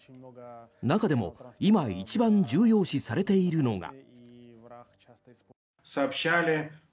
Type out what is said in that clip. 中でも今、一番重要視されているのが。